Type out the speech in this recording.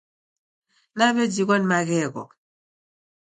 Nawejighwa ni maghegho